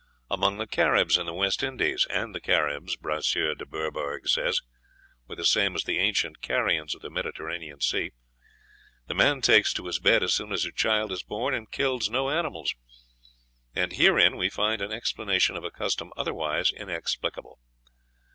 Among the Caribs in the West Indies (and the Caribs, Brasseur de Bourbourg says, were the same as the ancient Carians of the Mediterranean Sea) the man takes to his bed as soon as a child is born, and kills no animals. And herein we find an explanation of a custom otherwise inexplicable.